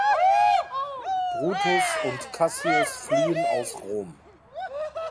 Brutus und Cassius fliehen aus Rom.